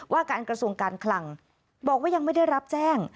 ว่าการกระทรวงการคลังบอกว่ายังไม่ได้รับแจ้ง